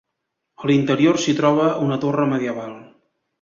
A l'interior s'hi troba una torre medieval.